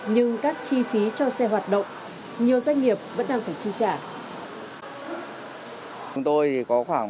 nhưng các chi phí cho xe hoạt động